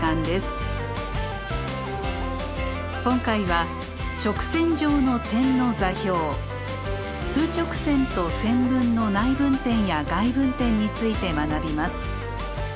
今回は数直線と線分の内分点や外分点について学びます。